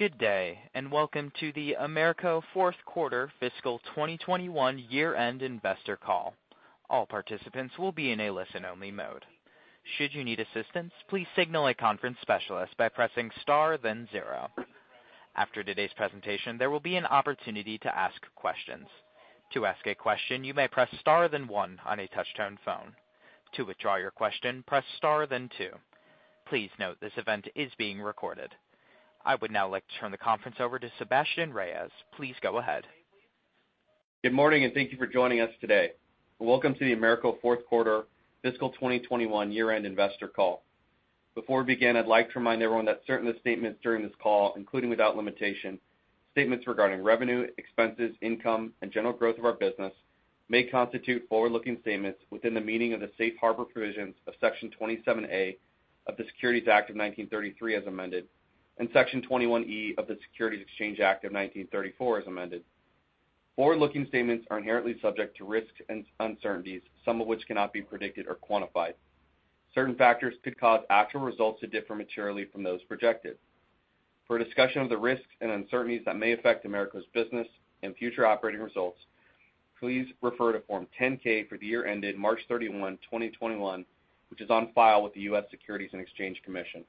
Good day. Welcome to the AMERCO fourth quarter fiscal 2021 year-end investor call. I would now like to turn the conference over to Sebastien Reyes. Please go ahead. Good morning, and thank you for joining us today. Welcome to the AMERCO fourth quarter fiscal 2021 year-end investor call. Before we begin, I'd like to remind everyone that certain statements during this call, including without limitation, statements regarding revenue, expenses, income, and general growth of our business, may constitute forward-looking statements within the meaning of the safe harbor provisions of Section 27A of the Securities Act of 1933 as amended, and Section 21E of the Securities Exchange Act of 1934 as amended. Forward-looking statements are inherently subject to risks and uncertainties, some of which cannot be predicted or quantified. Certain factors could cause actual results to differ materially from those projected. For a discussion of the risks and uncertainties that may affect AMERCO's business and future operating results, please refer to Form 10-K for the year ended March 31, 2021, which is on file with the U.S. Securities and Exchange Commission.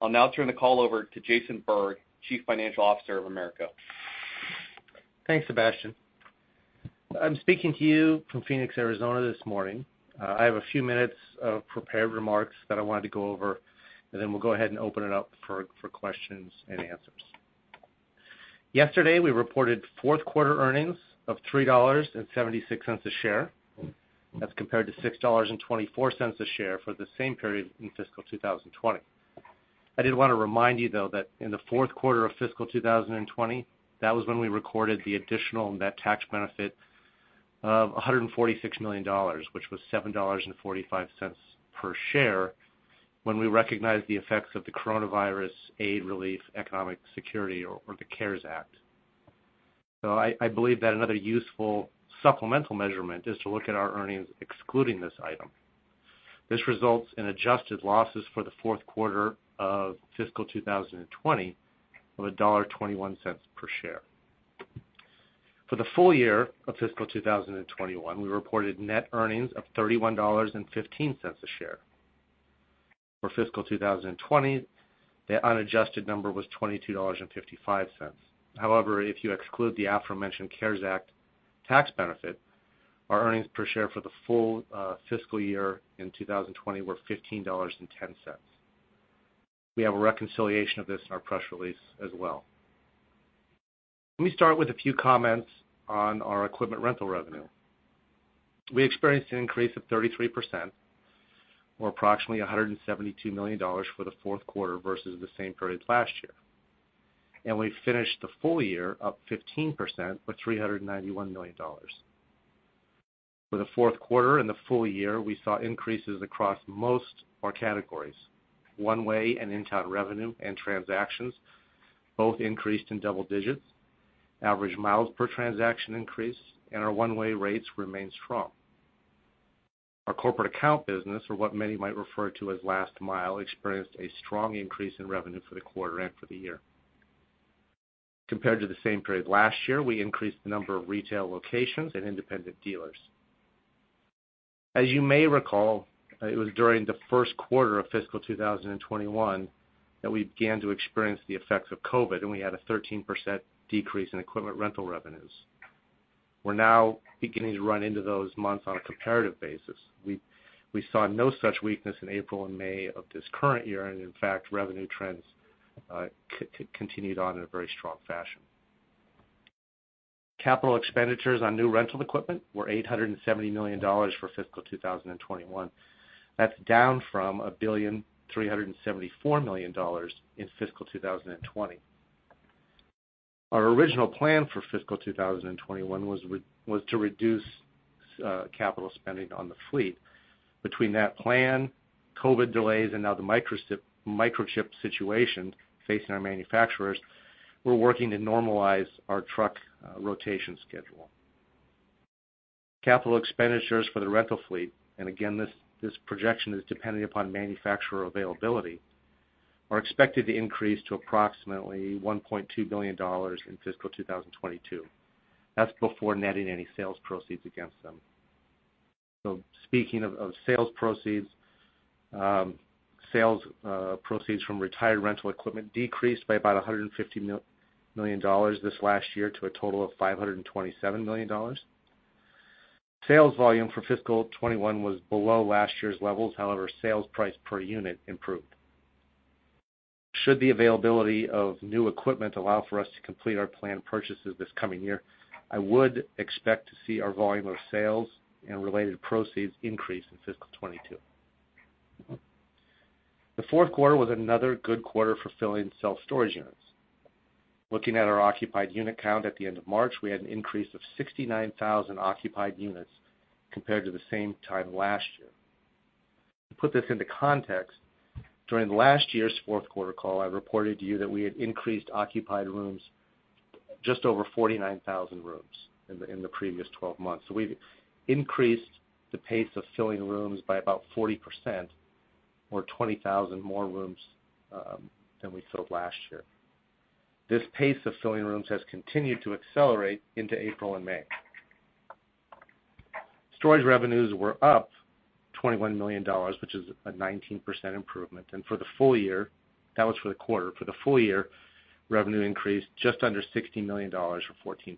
I'll now turn the call over to Jason Berg, Chief Financial Officer of AMERCO. Thanks, Sebastien. I'm speaking to you from Phoenix, Arizona, this morning. I have a few minutes of prepared remarks that I wanted to go over, and then we'll go ahead and open it up for questions and answers. Yesterday, we reported fourth quarter earnings of $3.76 a share as compared to $6.24 a share for the same period in fiscal 2020. I did want to remind you, though, that in the fourth quarter of fiscal 2020, that was when we recorded the additional net tax benefit of $146 million, which was $7.45 per share, when we recognized the effects of the Coronavirus Aid, Relief, and Economic Security, or the CARES Act. I believe that another useful supplemental measurement is to look at our earnings excluding this item. This results in adjusted losses for the fourth quarter of fiscal 2020 of $1.21 per share. For the full year of fiscal 2021, we reported net earnings of $31.15 a share. For fiscal 2020, the unadjusted number was $22.55. If you exclude the aforementioned CARES Act tax benefit, our earnings per share for the full fiscal year in 2020 were $15.10. We have a reconciliation of this in our press release as well. Let me start with a few comments on our equipment rental revenue. We experienced an increase of 33%, or approximately $172 million for the fourth quarter versus the same period last year. We finished the full year up 15% with $391 million. For the fourth quarter and the full year, we saw increases across most of our categories. One-way and in-town revenue and transactions both increased in double digits. Average miles per transaction increased, and our one-way rates remained strong. Our corporate account business, or what many might refer to as last mile, experienced a strong increase in revenue for the quarter and for the year. Compared to the same period last year, we increased the number of retail locations and independent dealers. As you may recall, it was during the first quarter of fiscal 2021 that we began to experience the effects of COVID, and we had a 13% decrease in equipment rental revenues. We're now beginning to run into those months on a comparative basis. We saw no such weakness in April and May of this current year, and in fact, revenue trends continued on in a very strong fashion. Capital expenditures on new rental equipment were $870 million for fiscal 2021. That's down from $1,374 million in fiscal 2020. Our original plan for fiscal 2021 was to reduce capital spending on the fleet. Between that plan, COVID delays, and now the microchip situation facing our manufacturers, we're working to normalize our truck rotation schedule. Capital expenditures for the rental fleet, and again, this projection is dependent upon manufacturer availability, are expected to increase to approximately $1.2 billion in fiscal 2022. That's before netting any sales proceeds against them. Speaking of sales proceeds, sales proceeds from retired rental equipment decreased by about $150 million this last year to a total of $527 million. Sales volume for fiscal 2021 was below last year's levels. However, sales price per unit improved. Should the availability of new equipment allow for us to complete our planned purchases this coming year, I would expect to see our volume of sales and related proceeds increase in fiscal 2022. The fourth quarter was another good quarter for filling self-storage units. Looking at our occupied unit count at the end of March, we had an increase of 69,000 occupied units compared to the same time last year. To put this into context, during last year's fourth quarter call, I reported to you that we had increased occupied rooms. Just over 49,000 rooms in the previous 12 months. We increased the pace of filling rooms by about 40%, or 20,000 more rooms than we sold last year. This pace of filling rooms has continued to accelerate into April and May. Storage revenues were up $21 million, which is a 19% improvement. For the full year, that was for the quarter. For the full year, revenue increased just under $60 million, or 14%.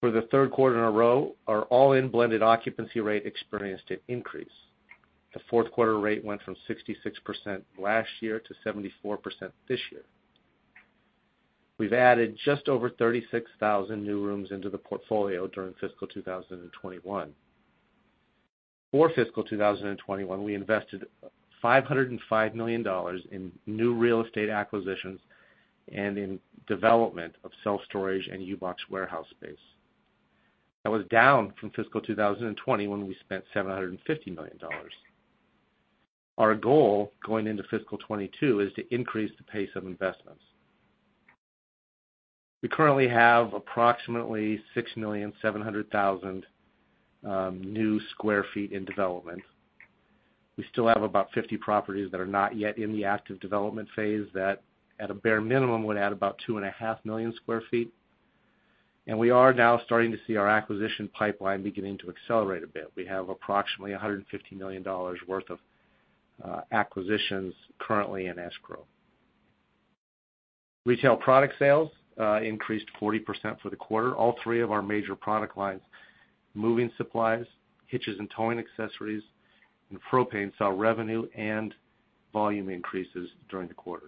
For the third quarter in a row, our all-in blended occupancy rate experienced an increase. The fourth quarter rate went from 66% last year to 74% this year. We've added just over 36,000 new rooms into the portfolio during fiscal 2021. For fiscal 2021, we invested $505 million in new real estate acquisitions and in development of self-storage and U-Box warehouse space. That was down from fiscal 2020, when we spent $750 million. Our goal going into fiscal 2022 is to increase the pace of investments. We currently have approximately 6,700,000 new sq ft in development. We still have about 50 properties that are not yet in the active development phase that at a bare minimum would add about two and a half million sq ft. We are now starting to see our acquisition pipeline beginning to accelerate a bit. We have approximately $150 million worth of acquisitions currently in escrow. Retail product sales increased 40% for the quarter. All three of our major product lines, moving supplies, hitches and towing accessories, and propane, saw revenue and volume increases during the quarter.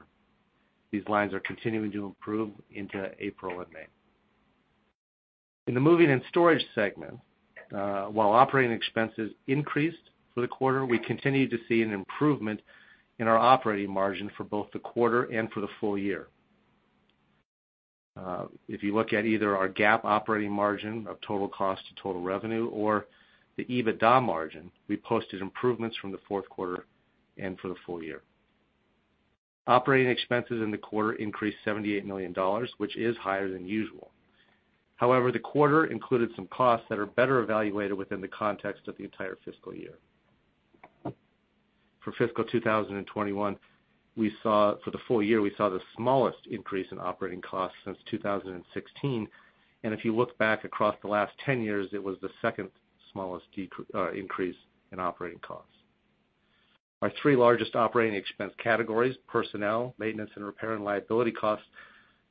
These lines are continuing to improve into April and May. In the moving and storage segment, while operating expenses increased for the quarter, we continued to see an improvement in our operating margin for both the quarter and for the full year. If you look at either our GAAP operating margin of total cost to total revenue or the EBITDA margin, we posted improvements from the fourth quarter and for the full year. Operating expenses in the quarter increased $78 million, which is higher than usual. However, the quarter included some costs that are better evaluated within the context of the entire fiscal year. For fiscal 2021, for the full year, we saw the smallest increase in operating costs since 2016. If you look back across the last 10 years, it was the second smallest increase in operating costs. Our three largest operating expense categories, personnel, maintenance and repair, and liability costs,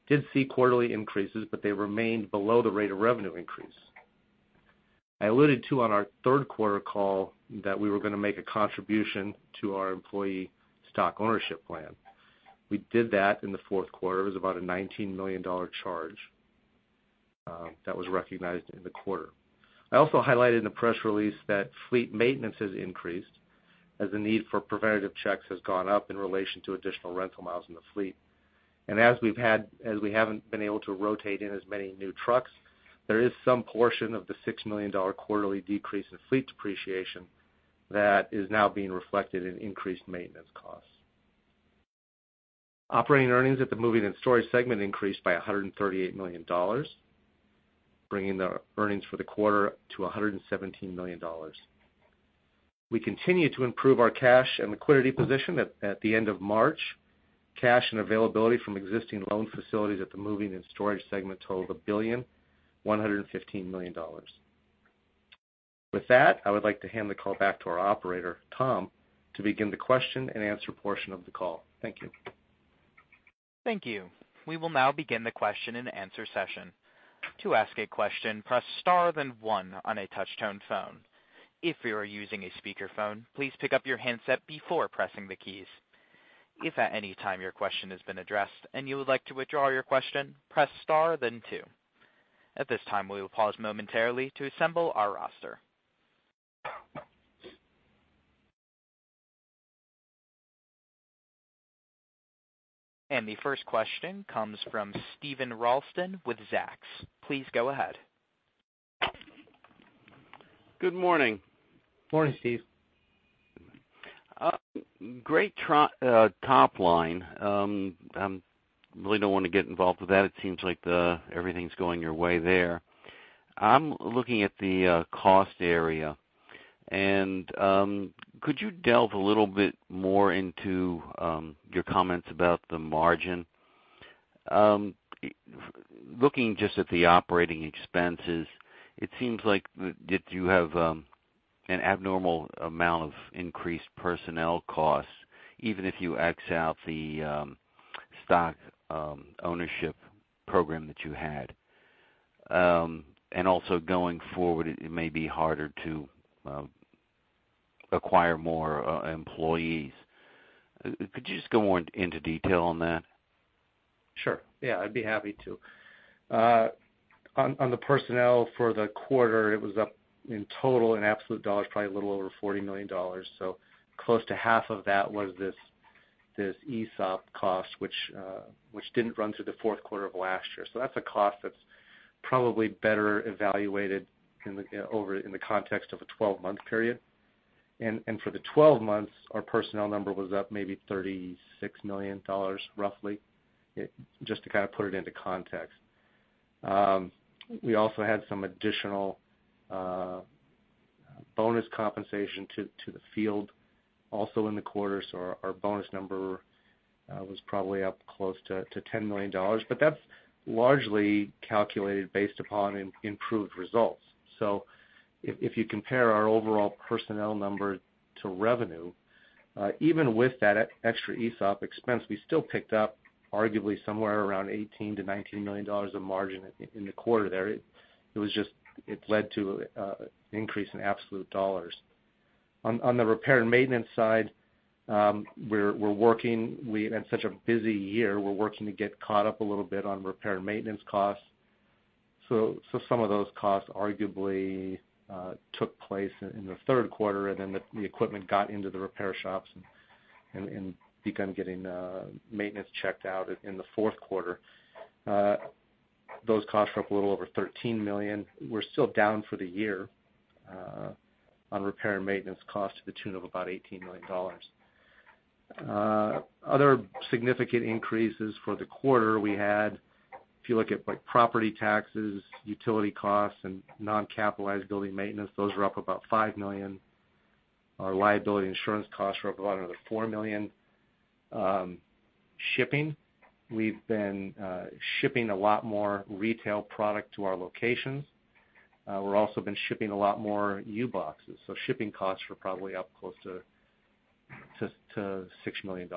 did see quarterly increases, but they remained below the rate of revenue increase. I alluded to on our third quarter call that we were going to make a contribution to our employee stock ownership plan. We did that in the fourth quarter. It was about a $19 million charge that was recognized in the quarter. I also highlighted in the press release that fleet maintenance has increased as the need for preventative checks has gone up in relation to additional rental miles in the fleet. As we haven't been able to rotate in as many new trucks, there is some portion of the $6 million quarterly decrease in fleet depreciation that is now being reflected in increased maintenance costs. Operating earnings at the moving and storage segment increased by $138 million, bringing the earnings for the quarter to $117 million. We continue to improve our cash and liquidity position. At the end of March, cash and availability from existing loan facilities at the moving and storage segment totaled $1,115,000,000. With that, I would like to hand the call back to our operator, Tom, to begin the question and answer portion of the call. Thank you. Thank you. We will now begin the question and answer session. To ask a question, press star then one on a touch-tone phone. If you are using a speakerphone, please pick up your handset before pressing the keys. If at any time your question has been addressed and you would like to withdraw your question, press star then two. At this time, we will pause momentarily to assemble our roster. The first question comes from Steven Ralston with Zacks. Please go ahead. Good morning. Morning, Steve. Great top line. I really don't want to get involved with that. It seems like everything's going your way there. I'm looking at the cost area. Could you delve a little bit more into your comments about the margin? Looking just at the operating expenses, it seems like you have an abnormal amount of increased personnel costs, even if you x out the stock ownership program that you had. Going forward, it may be harder to acquire more employees. Could you just go into detail on that? Sure. Yeah, I'd be happy to. On the personnel for the quarter, it was up in total in absolute dollars, probably a little over $40 million. Close to half of that was this ESOP cost, which didn't run through the fourth quarter of last year. That's the cost of probably better evaluated over in the context of a 12-months period. For the 12 months, our personnel number was up maybe $36 million, roughly, just to kind of put it into context. We also had some additional bonus compensation to the field also in the quarter. Our bonus number was probably up close to $10 million. That's largely calculated based upon improved results. If you compare our overall personnel number to revenue, even with that extra ESOP expense, we still picked up arguably somewhere around $18 million-$19 million of margin in the quarter there. It led to an increase in absolute dollars. On the repair and maintenance side, we're working. We had such a busy year. We're working to get caught up a little bit on repair and maintenance costs. Some of those costs arguably took place in the third quarter, and then the equipment got into the repair shops and began getting maintenance checked out in the fourth quarter. Those costs are up a little over $13 million. We're still down for the year on repair and maintenance costs to the tune of about $18 million. Other significant increases for the quarter we had, if you look at property taxes, utility costs, and non-capitalized building maintenance, those are up about $5 million. Our liability insurance costs are up about another $4 million. Shipping, we've been shipping a lot more retail product to our locations. We've also been shipping a lot more U-Boxes. Shipping costs are probably up close to $6 million.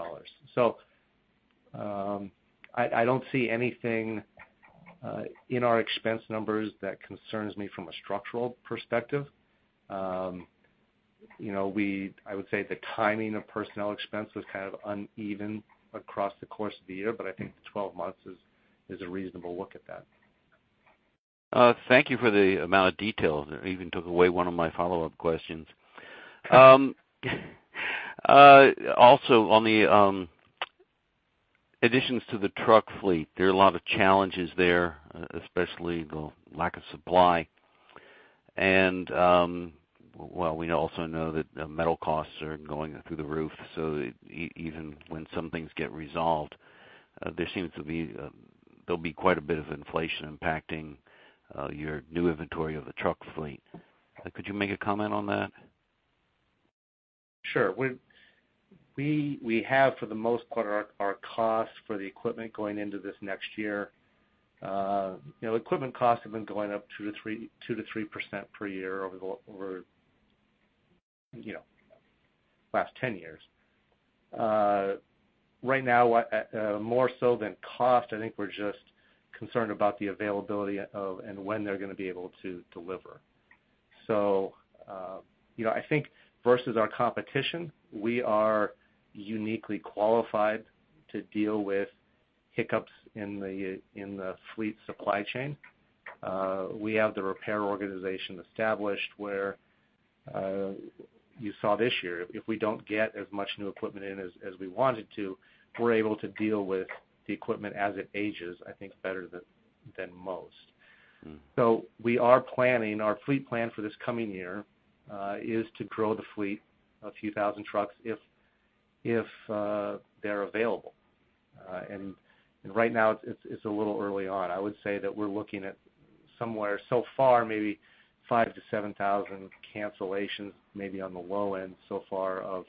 I don't see anything in our expense numbers that concerns me from a structural perspective. I would say the timing of personnel expense was kind of uneven across the course of the year, but I think the 12 months is a reasonable look at that. Thank you for the amount of detail. That even took away one of my follow-up questions. On the additions to the truck fleet, there are a lot of challenges there, especially the lack of supply. While we also know that metal costs are going through the roof, even when some things get resolved, there seems to be quite a bit of inflation impacting your new inventory of the truck fleet. Could you make a comment on that? Sure. We have, for the most part, our cost for the equipment going into this next year. Equipment costs have been going up 2%-3% per year over the last 10 years. Right now, more so than cost, I think we're just concerned about the availability of and when they're going to be able to deliver. I think versus our competition, we are uniquely qualified to deal with hiccups in the fleet supply chain. We have the repair organization established where you saw this year. If we don't get as much new equipment in as we wanted to, we're able to deal with the equipment as it ages, I think, better than most. We are planning. Our fleet plan for this coming year is to grow the fleet a few thousand trucks if they're available. Right now, it's a little early on. I would say that we're looking at somewhere so far, maybe 5,000-7,000 cancellations, maybe on the low end so far of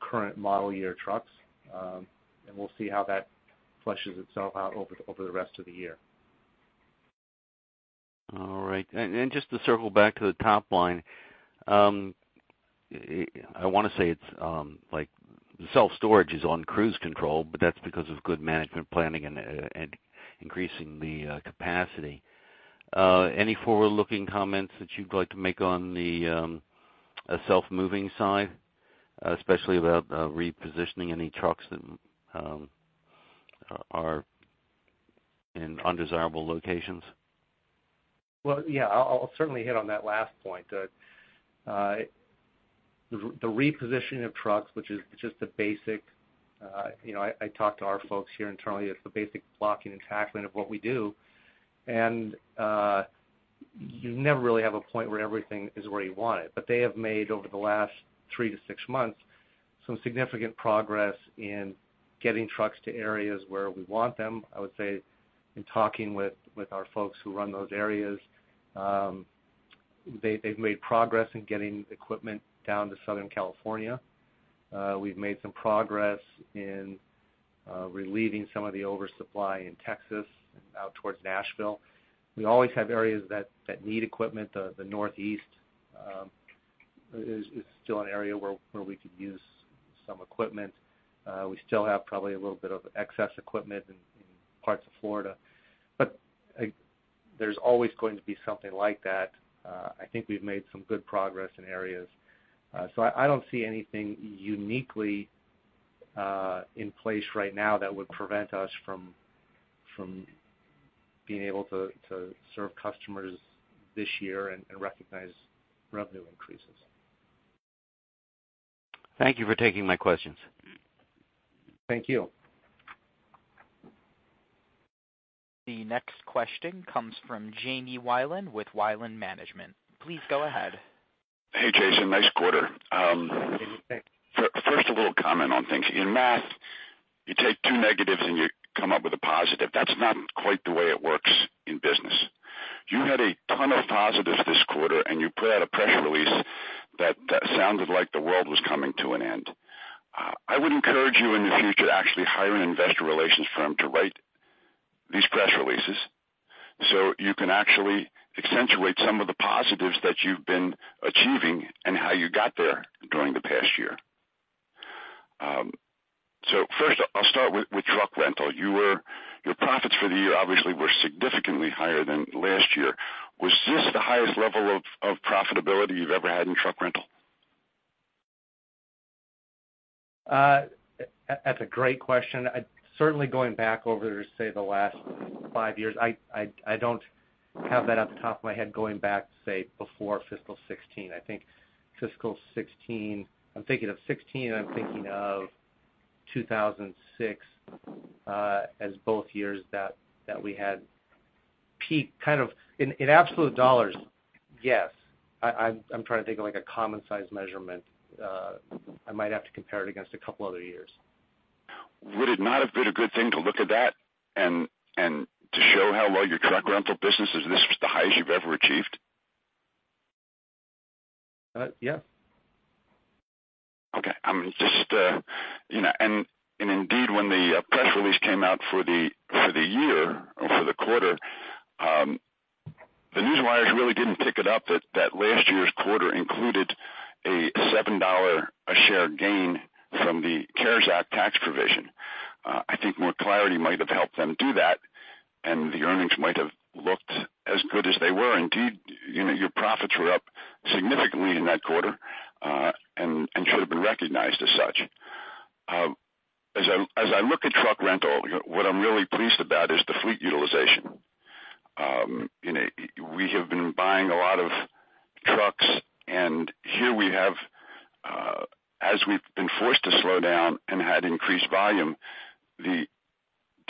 current model year trucks. We'll see how that fleshes itself out over the rest of the year. All right. Just to circle back to the top line, I want to say it's like self-storage is on cruise control, but that's because of good management planning and increasing the capacity. Any forward-looking comments that you'd like to make on the self-moving side, especially about repositioning any trucks that are in undesirable locations? Well, yeah. I'll certainly hit on that last point. The repositioning of trucks, which is just the basic blocking and tackling of what we do. I talk to our folks here internally. You never really have a point where everything is where you want it. They have made, over the last three to six months, some significant progress in getting trucks to areas where we want them. I would say in talking with our folks who run those areas, they've made progress in getting equipment down to Southern California. We've made some progress in relieving some of the oversupply in Texas and out towards Nashville. We always have areas that need equipment. The Northeast is still an area where we could use some equipment. We still have probably a little bit of excess equipment in parts of Florida. There's always going to be something like that. I think we've made some good progress in areas. I don't see anything uniquely in place right now that would prevent us from being able to serve customers this year and recognize revenue increases. Thank you for taking my questions. Thank you. The next question comes from Jamie Wilen with Wilen Management. Please go ahead. Hey, Jason, nice quarter. First of all, comment on things. In math, you take two negatives and you come up with a positive. That's not quite the way it works in business. You had a ton of positives this quarter, and you put out a press release that sounded like the world was coming to an end. I would encourage you in the future to actually hire an investor relations firm to write these press releases so you can actually accentuate some of the positives that you've been achieving and how you got there during the past year. First, I'll start with truck rental. Your profits for the year obviously were significantly higher than last year. Was this the highest level of profitability you've ever had in truck rental? That's a great question. Certainly going back over, say, the last five years, I don't have that off the top of my head going back to, say, before fiscal 2016. I'm thinking of 2016, I'm thinking of 2006, as both years that we had peak. In absolute dollars, yes. I'm trying to think of a common size measurement. I might have to compare it against a couple other years. Would it not have been a good thing to look at that and to show how well your truck rental business is? This is the highest you've ever achieved? Yes. Okay. Indeed, when the press release came out for the year, or for the quarter, the news wires really didn't pick it up that last year's quarter included a $7 a share gain from the CARES Act tax provision. I think more clarity might have helped them do that, and the earnings might have looked as good as they were. Indeed, your profits were up significantly in that quarter, and should have been recognized as such. As I look at truck rental, what I'm really pleased about is the fleet utilization. We have been buying a lot of trucks, and here we have, as we've been forced to slow down and had increased volume, the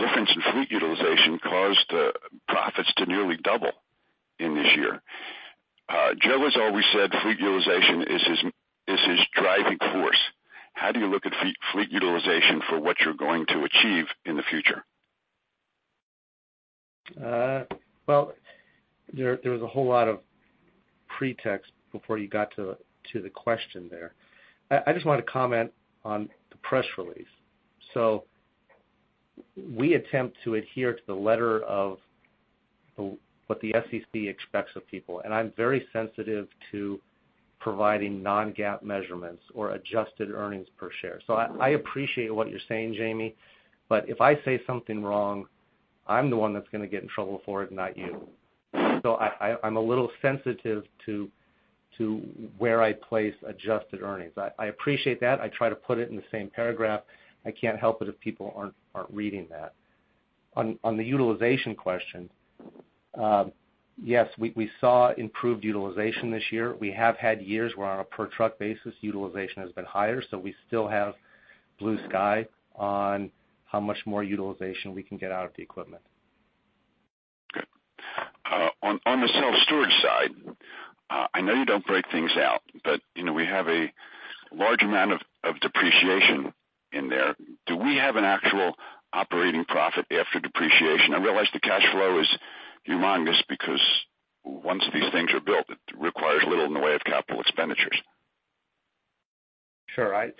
difference in fleet utilization caused profits to nearly double in this year. Joe has always said fleet utilization is his driving force. How do you look at fleet utilization for what you're going to achieve in the future? There was a whole lot of pretext before you got to the question there. I just want to comment on the press release. We attempt to adhere to the letter of what the SEC expects of people, and I'm very sensitive to providing non-GAAP measurements or adjusted earnings per share. I appreciate what you're saying, Jamie, but if I say something wrong, I'm the one that's going to get in trouble for it, not you. I'm a little sensitive to where I place adjusted earnings. I appreciate that. I try to put it in the same paragraph. I can't help it if people aren't reading that. On the utilization question, yes, we saw improved utilization this year. We have had years where on a per truck basis, utilization has been higher. We still have blue sky on how much more utilization we can get out of the equipment. Good. On the self-storage side, I know you don't break things out, but we have a large amount of depreciation in there. Do we have an actual operating profit after depreciation? I realize the cash flow is enormous because once these things are built, it requires little in the way of capital expenditures. Sure.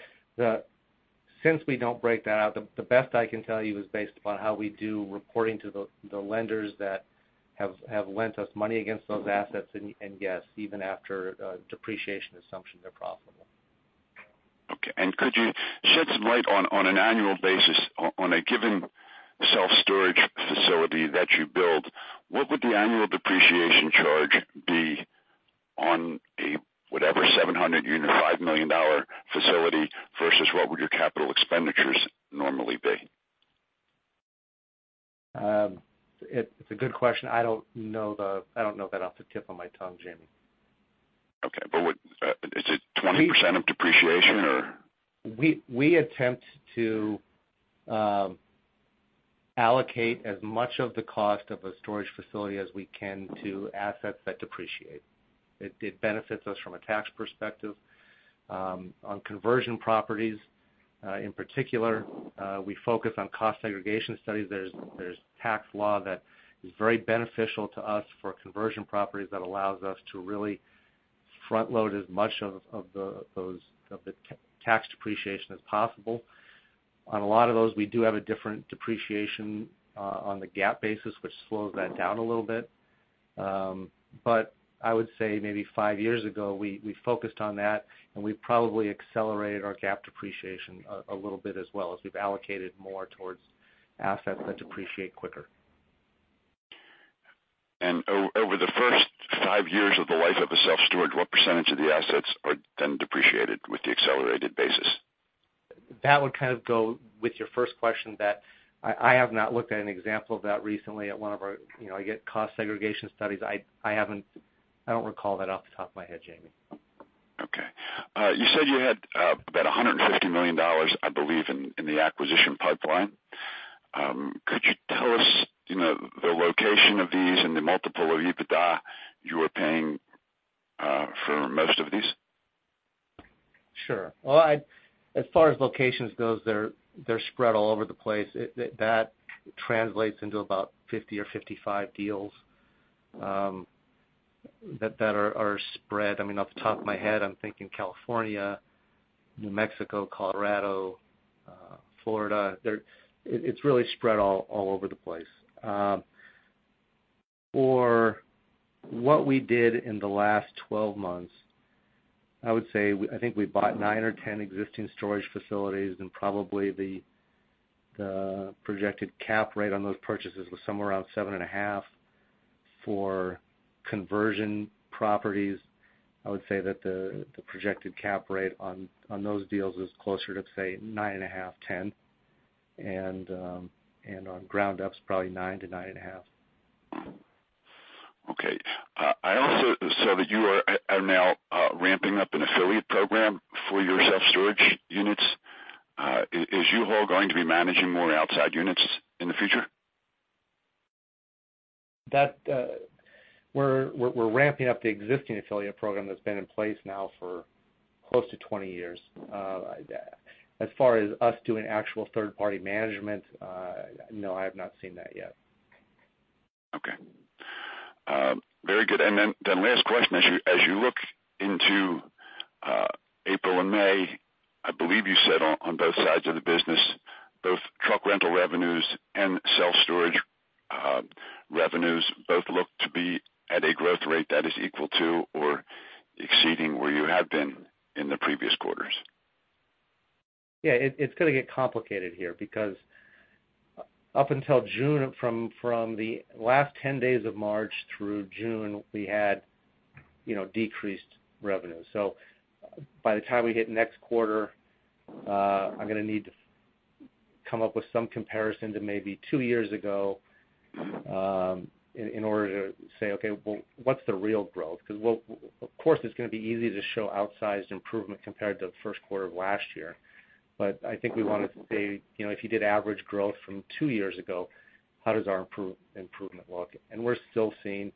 Since we don't break that out, the best I can tell you is based upon how we do reporting to the lenders that have lent us money against those assets, and yes, even after depreciation assumptions are profitable. Okay. Could you shed some light on an annual basis on a given self-storage facility that you build, what would the annual depreciation charge be on a whatever, $5 million facility versus what would your capital expenditures normally be? It's a good question. I don't know that off the tip of my tongue, Jamie. Okay. Is it 20% of depreciation? We attempt to allocate as much of the cost of a storage facility as we can to assets that depreciate. It benefits us from a tax perspective. On conversion properties, in particular, we focus on cost segregation studies. There's tax law that is very beneficial to us for conversion properties that allows us to really front-load as much of the tax depreciation as possible. On a lot of those, we do have a different depreciation on the GAAP basis, which slows that down a little bit. I would say maybe five years ago, we focused on that, and we probably accelerated our GAAP depreciation a little bit as well, as we've allocated more towards assets that depreciate quicker. Over the first five years of the life of the self-storage, what percentage of the assets are then depreciated with the accelerated basis? That would go with your first question that I have not looked at an example of that recently. I get cost segregation studies. I don't recall that off the top of my head, Jamie. You said you had about $150 million, I believe, in the acquisition pipeline. Could you tell us the location of these and the multiple of EBITDA you are paying for most of these? Sure. Well, as far as locations goes, they're spread all over the place. That translates into about 50 or 55 deals that are spread. Off the top of my head, I'm thinking California, New Mexico, Colorado, Florida. It's really spread all over the place. For what we did in the last 12 months, I would say, I think we bought nine or 10 existing storage facilities, and probably the projected cap rate on those purchases was somewhere around seven and a half. For conversion properties, I would say that the projected cap rate on those deals is closer to, say, 9.5, 10, and on ground ups probably 9-9.5. Okay. I also saw that you are now ramping up an affiliate program for your self-storage units. Is U-Haul going to be managing more outside units in the future? We're ramping up the existing affiliate program that's been in place now for close to 20 years. As far as us doing actual third-party management, no, I have not seen that yet. Okay. Very good. The last question is, as you look into April and May, I believe you said on both sides of the business, both truck rental revenues and self-storage revenues both look to be at a growth rate that is equal to or exceeding where you have been in the previous quarters. Yeah. It's going to get complicated here because up until June, from the last 10 days of March through June, we had decreased revenue. By the time we hit next quarter, I'm going to need to come up with some comparison to maybe two years ago in order to say, okay, well, what's the real growth? Of course, it's going to be easy to show outsized improvement compared to the first quarter of last year. I think we want to say, if you could average growth from two years ago, how does our improvement look? We're still seeing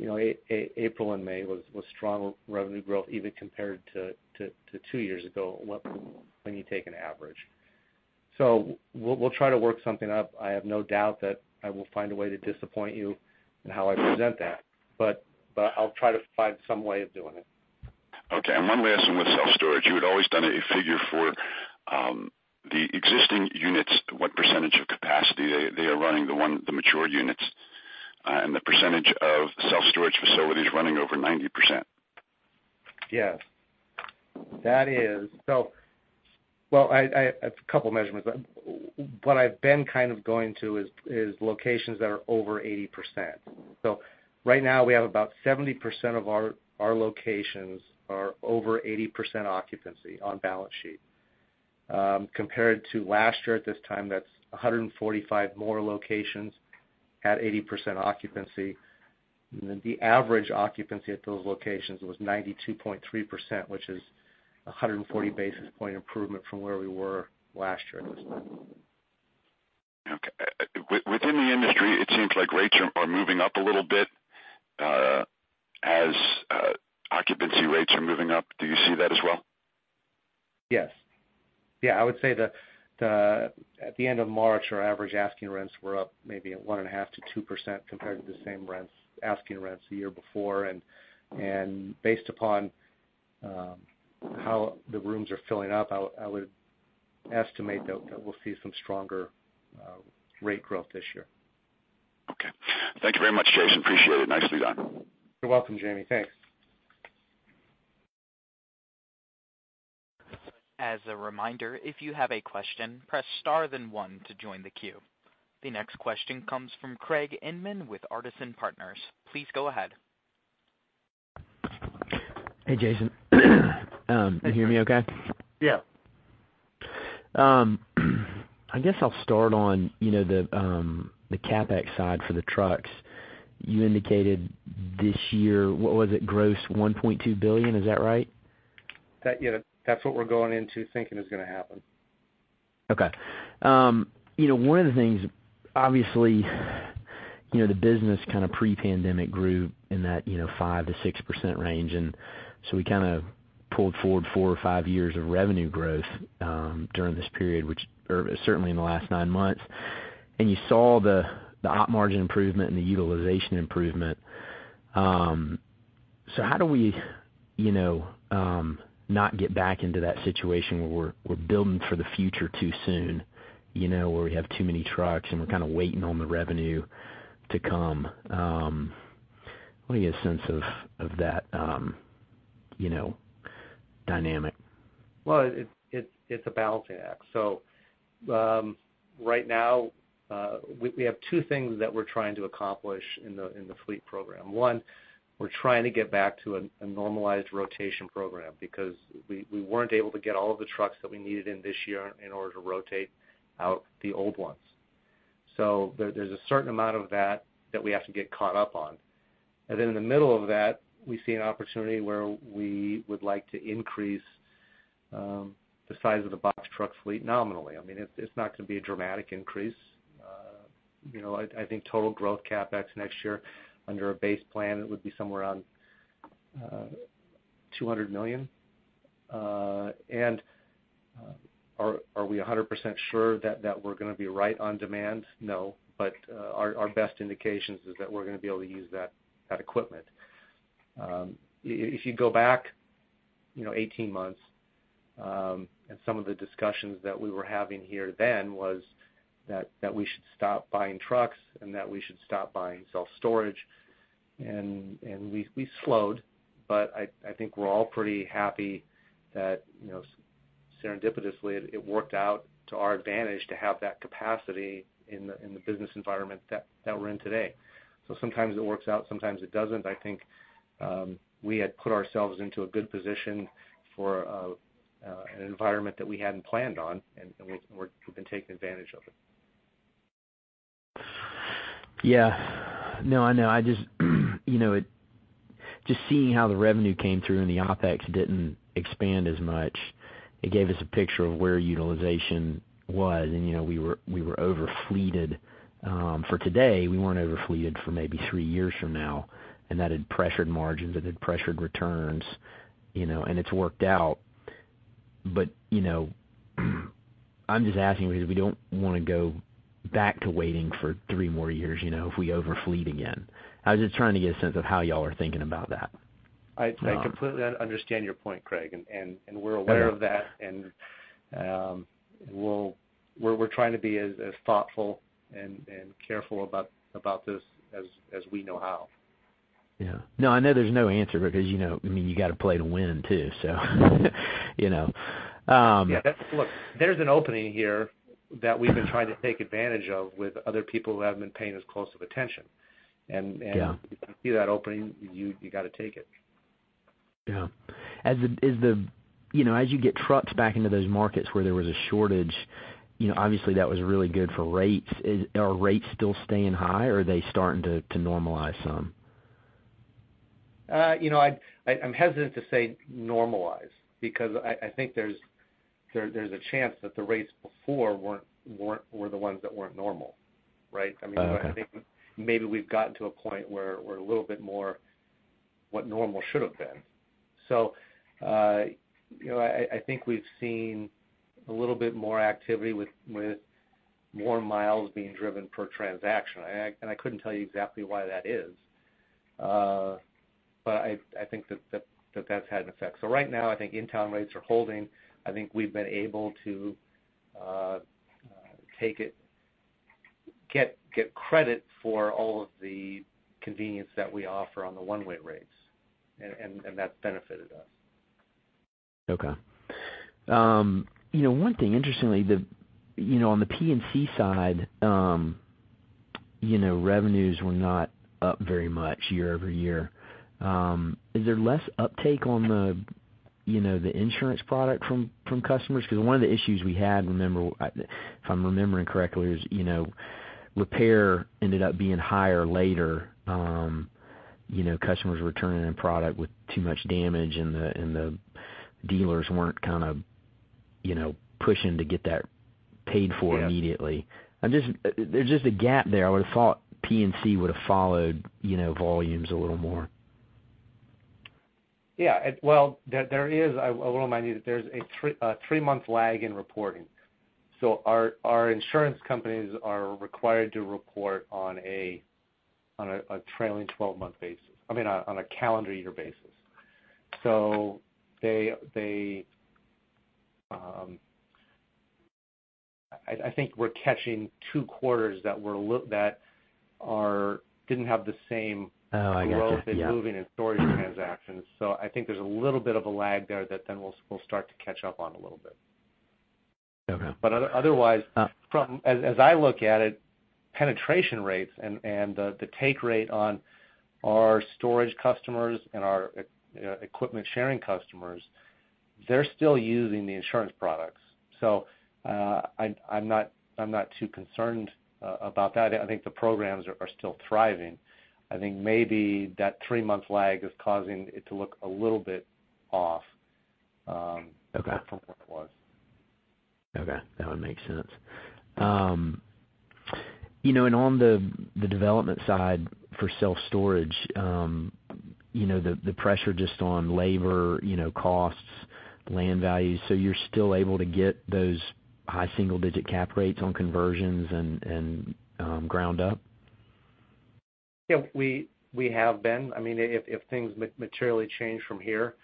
April and May was strong revenue growth even compared to two years ago when you take an average. We'll try to work something up. I have no doubt that I will find a way to disappoint you in how I present that, but I'll try to find some way of doing it. Okay. One last thing with self-storage. You had always done a figure for the existing units, what percentage of capacity they are running, the matured units, and the percentage of self-storage facilities running over 90%. Yeah. A couple measurements. What I've been kind of going to is locations that are over 80%. Right now we have about 70% of our locations are over 80% occupancy on balance sheet. Compared to last year at this time, that's 145 more locations at 80% occupancy. The average occupancy at those locations was 92.3%, which is a 140 basis point improvement from where we were last year. Within the industry, it seems like rates are moving up a little bit as occupancy rates are moving up. Do you see that as well? Yes. I would say that at the end of March, our average asking rents were up maybe at 1.5%-2% compared to the same asking rents the year before. Based upon how the rooms are filling up, I would estimate that we'll see some stronger rate growth this year. Okay. Thank you very much, Jason. Appreciate it. Nice to be on. You're welcome, Jamie. Thanks. The next question comes from Craig Inman with Artisan Partners. Please go ahead. Hey, Jason. Can you hear me okay? Yeah. I guess I'll start on the CapEx side for the trucks. You indicated this year, what was it, gross $1.2 billion? Is that right? Yeah. That's what we're going into thinking is going to happen. Okay. One of the things, obviously, the business kind of pre-pandemic grew in that 5%-6% range, we kind of pulled forward four or five years of revenue growth during this period, which certainly in the last nine months. You saw the op margin improvement and the utilization improvement. How do we not get back into that situation where we're building for the future too soon, where we have too many trucks and we're kind of waiting on the revenue to come? Let me get a sense of that dynamic. Well, it's a balancing act. Right now, we have two things that we're trying to accomplish in the fleet program. One, we're trying to get back to a normalized rotation program because we weren't able to get all the trucks that we needed this year in order to rotate out the old ones. There's a certain amount of that that we have to get caught up on. In the middle of that, we see an opportunity where we would like to increase the size of the box truck fleet nominally. It's not going to be a dramatic increase. I think total growth CapEx next year under a base plan would be somewhere around $200 million. Are we 100% sure that we're going to be right on demand? No, our best indication is that we're going to be able to use that equipment. If you go back 18 months, some of the discussions that we were having here then was that we should stop buying trucks and that we should stop buying self-storage. We slowed, but I think we're all pretty happy that serendipitously, it worked out to our advantage to have that capacity in the business environment that we're in today. Sometimes it works out, sometimes it doesn't. I think we had put ourselves into a good position for an environment that we hadn't planned on, and we're going to take advantage of it. Yeah. No, I know. Just seeing how the OpEx didn't expand as much, it gave us a picture of where utilization was. We were over-fleeted for today. We weren't over-fleeted for maybe three years from now, and that had pressured margins, that had pressured returns, and it's worked out. I'm just asking because we don't want to go back to waiting for three more years, if we over-fleet again. I was just trying to get a sense of how y'all are thinking about that. I completely understand your point, Craig, and we're aware of that. We're trying to be as thoughtful and careful about this as we know how. Yeah. No, I know there's no answer because you got to play to win, too, you know. Yeah. Look, there's an opening here that we've been trying to take advantage of with other people who haven't been paying as close of attention. Yeah. If you see that opening, you got to take it. Yeah. As you get trucks back into those markets where there was a shortage, obviously, that was really good for rates. Are rates still staying high, or are they starting to normalize some? I'm hesitant to say normalize because I think there's a chance that the rates before were the ones that weren't normal, right? I think maybe we've gotten to a point where we're a little bit more what normal should have been. I think we've seen a little bit more activity with more miles being driven per transaction. I couldn't tell you exactly why that is. I think that that's had an effect. Right now, I think in-town rates are holding. I think we've been able to get credit for all of the convenience that we offer on the one-way rates, and that's benefited us. Okay. One thing, interestingly, on the P&C side, revenues were not up very much year-over-year. Is there less uptake on the insurance product from customers? One of the issues we had, if I'm remembering correctly, was repair ended up being higher later. Customers were turning in product with too much damage, and the dealers weren't pushing to get that paid for immediately. Yeah. There's just a gap there. I would've thought P&C would've followed volumes a little more. Yeah. Well, I will remind you that there's a three-month lag in reporting. Our insurance companies are required to report on a trailing 12-month basis. I mean, on a calendar year basis. I think we're catching two quarters that were looked at didn't have the same. Oh, okay. Yeah. Level of movement in storage transactions. I think there's a little bit of a lag there that then we'll start to catch up on a little bit. Okay. Otherwise, as I look at it, penetration rates and the take rate on our storage customers and our equipment sharing customers, they're still using the insurance products. I'm not too concerned about that. I think the programs are still thriving. I think maybe that three-month lag is causing it to look a little bit off from what it was. Okay. No, it makes sense. On the development side for self-storage, the pressure just on labor, costs, land value. You're still able to get those high single-digit cap rates on conversions and ground up? Yeah, we have been. If things materially change from here,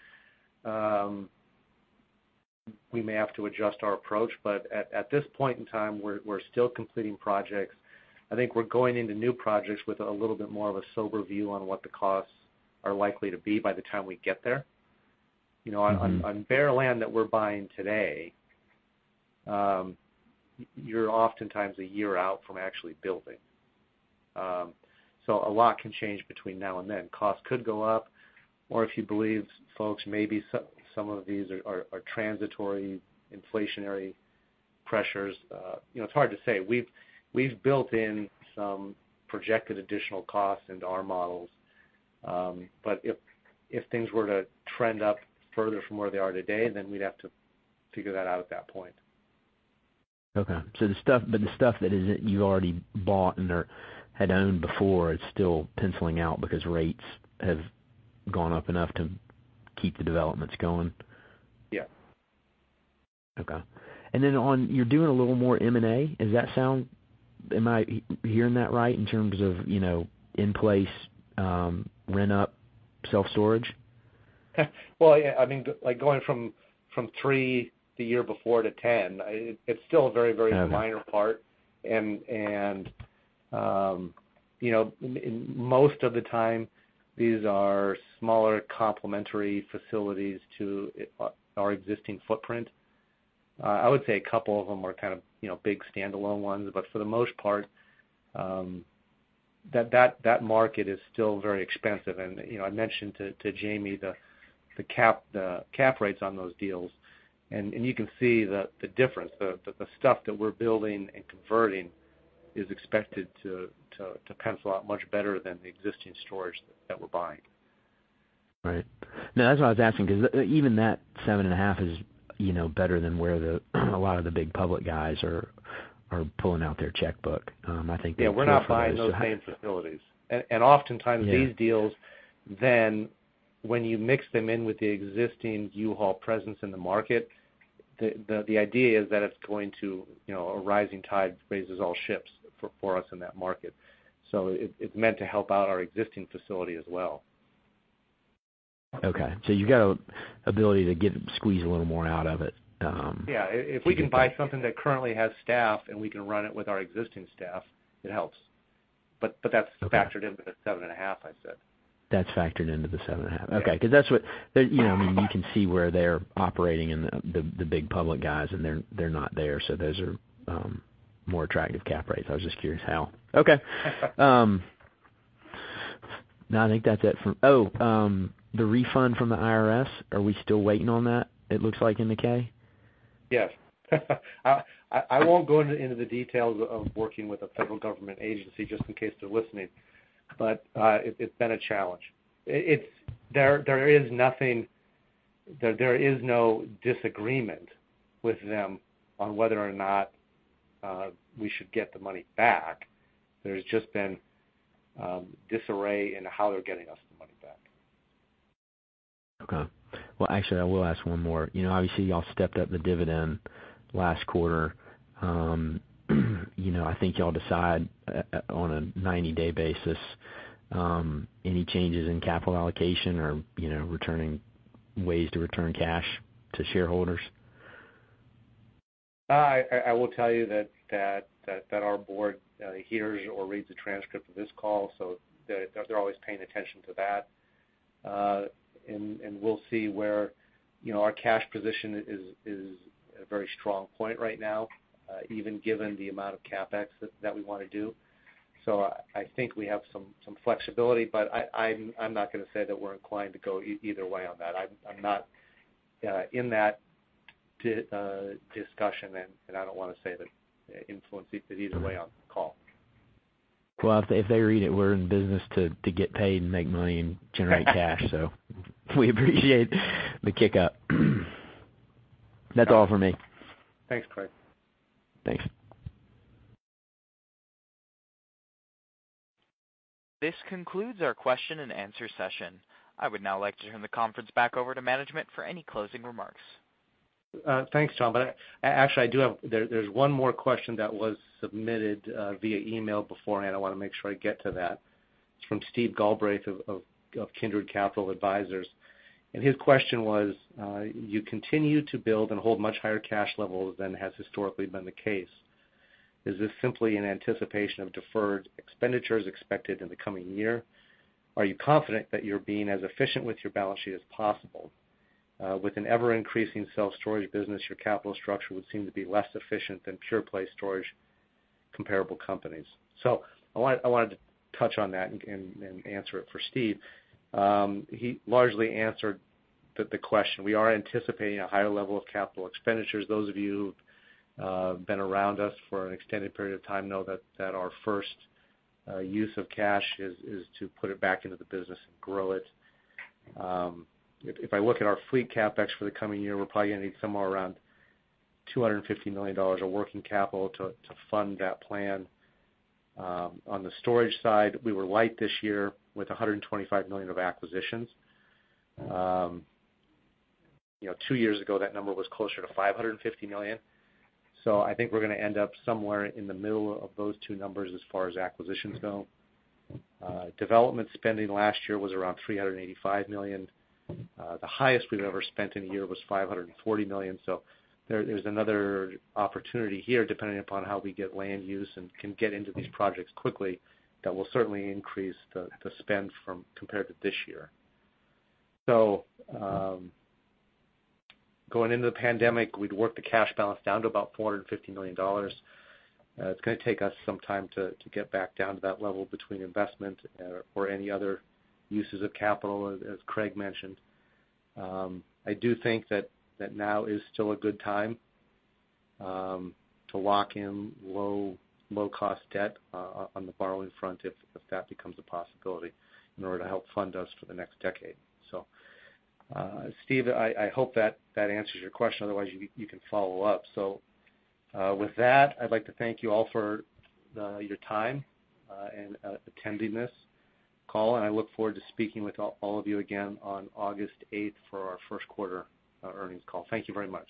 we may have to adjust our approach, but at this point in time, we're still completing projects. I think we're going into new projects with a little bit more of a sober view on what the costs are likely to be by the time we get there. On bare land that we're buying today, you're oftentimes a year out from actually building. A lot can change between now and then. Costs could go up, or if you believe, folks, maybe some of these are transitory inflationary pressures. It's hard to say. We've built in some projected additional costs into our models. If things were to trend up further from where they are today, then we'd have to figure that out at that point. Okay. The stuff that you already bought and/or had owned before, it's still penciling out because rates have gone up enough to keep the developments going. Yeah. Okay. You're doing a little more M&A. Am I hearing that right, in terms of in-place rent-up self-storage? Well, yeah. Going from three the year before to 10, it's still a very, very minor part. Most of the time, these are smaller complementary facilities to our existing footprint. I would say a couple of them are big standalone ones, but for the most part, that market is still very expensive. I mentioned to Jamie the cap rates on those deals. You can see the difference. The stuff that we're building and converting is expected to pencil out much better than the existing storage that we're buying. Right. No, that's what I was asking, because even that seven and a half is better than where a lot of the big public guys are pulling out their checkbook. I think the preference is. We're not buying those same facilities. Oftentimes these deals, when you mix them in with the existing U-Haul presence in the market, the idea is that a rising tide raises all ships for us in that market. It's meant to help out our existing facility as well. Okay. You've got an ability to squeeze a little more out of it. Yeah. If we can buy something that currently has staff, and we can run it with our existing staff, it helps. That's factored into the 7.5, I said. That's factored into the 7.5. Okay. You can see where they're operating and the big public guys, and they're not there. Those are more attractive cap rates. Okay. No, I think that's it for Oh, the refund from the IRS, are we still waiting on that, it looks like in the K? Yes. I won't go into the details of working with a federal government agency just in case they're listening. It's been a challenge. There is no disagreement with them on whether or not we should get the money back. There's just been disarray in how they're getting us the money back. Okay. Well, actually, I will ask one more. Obviously, you all stepped up the dividend last quarter. I think you all decide on a 90-day basis any changes in capital allocation or ways to return cash to shareholders. I will tell you that our board hears or reads a transcript of this call. They're always paying attention to that. We'll see where our cash position is at a very strong point right now, even given the amount of CapEx that we want to do. I think we have some flexibility, but I'm not going to say that we're inclined to go either way on that. I'm not in that discussion. I don't want to say that it influences it either way on this call. Well, I'll say I agree. We're in business to get paid and make money and generate cash, so we appreciate the kick-up. That's all for me. Thanks, Craig. Thanks. This concludes our question and answer session. I would now like to turn the conference back over to management for any closing remarks. Thanks. [inaudible] Actually, there's one more question that was submitted via email beforehand. I want to make sure I get to that. It's from Steve Galbraith of Kindred Capital Advisors. His question was, you continue to build and hold much higher cash levels than has historically been the case. Is this simply an anticipation of deferred expenditures expected in the coming year? Are you confident that you're being as efficient with your balance sheet as possible? With an ever-increasing self-storage business, your capital structure would seem to be less efficient than pure play storage comparable companies. I wanted to touch on that and answer it for Steve. He largely answered the question. We are anticipating a higher level of capital expenditures. Those of you who've been around us for an extended period of time know that our first use of cash is to put it back into the business and grow it. If I look at our fleet CapEx for the coming year, we're probably going to need somewhere around $250 million of working capital to fund that plan. On the storage side, we were light this year with $125 million of acquisitions. Two years ago, that number was closer to $550 million. I think we're going to end up somewhere in the middle of those two numbers as far as acquisitions go. Development spending last year was around $385 million. The highest we've ever spent in a year was $540 million. There's another opportunity here, depending upon how we get land use and can get into these projects quickly, that will certainly increase the spend compared to this year. Going into the pandemic, we'd worked the cash balance down to about $450 million. It's going to take us some time to get back down to that level between investment or any other uses of capital, as Craig mentioned. I do think that now is still a good time to lock in low-cost debt on the borrowing front if that becomes a possibility in order to help fund us for the next decade. Steve, I hope that answers your question. Otherwise, you can follow up. With that, I'd like to thank you all for your time and attending this call, and I look forward to speaking with all of you again on August 8th for our first quarter earnings call. Thank you very much.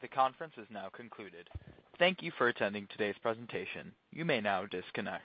The conference has now concluded. Thank you for attending today's presentation. You may now disconnect.